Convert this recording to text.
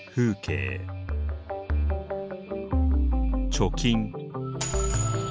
貯金。